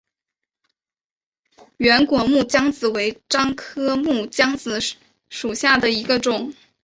圆果木姜子为樟科木姜子属下的一个种。